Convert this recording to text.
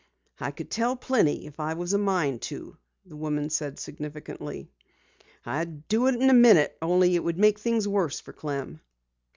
"I could tell plenty if I was a mind to," the woman said significantly. "I'd do it in a minute, only it would make things worse for Clem."